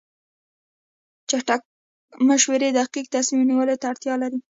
چټک مشورې دقیق تصمیم نیولو ته اړتیا لري.